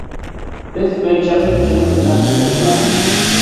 بىز ئۆي چېقىش ئۈچۈن خىزمەت قىلغۇچىلارمىز.